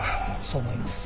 そう思います。